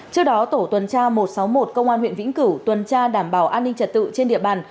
trước đó tổ tuần tra một trăm sáu mươi một công an huyện vĩnh cửu tuần tra đảm bảo an ninh trật tự trên địa bàn